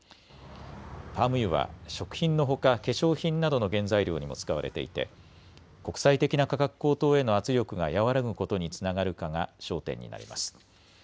パーム油は食品のほか化粧品などの原材料にも使われていて国際的な価格高騰への圧力が和らぐことにつながるかが焦点になります。